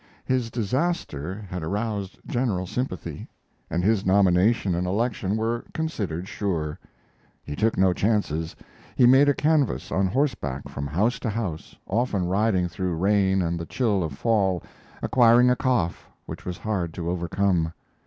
His disaster had aroused general sympathy, and his nomination and election were considered sure. He took no chances; he made a canvass on horseback from house to house, often riding through rain and the chill of fall, acquiring a cough which was hard to overcome.